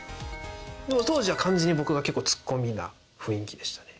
当時は完全に僕が結構ツッコミな雰囲気でしたね。